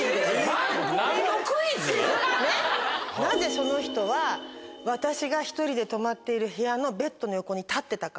なぜその人は私が１人で泊まっている部屋のベッドの横に立ってたか。